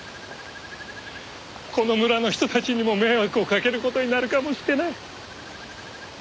この村の人たちにも迷惑をかける事になるかもしれない。